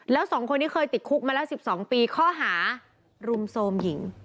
แล้ว๒คนนี้เคยติดคุกมาแล้ว๑๒ปีข้อหารุมโทรมหญิง